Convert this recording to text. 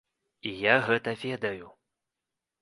І я гэта ведаю.